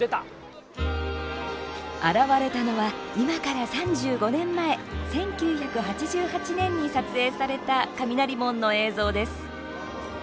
現れたのは、今から３５年前１９８８年に撮影された雷門の映像です。